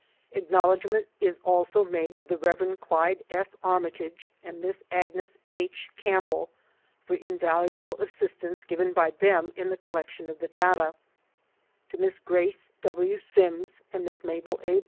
Acknowledgment is also made to the Rev. Qyde F. Armitage and Miss Agnes H. Campbell for invaluable assistance given by them in the collection of the data ; to Miss Grace W. Sims and Miss Mabel A.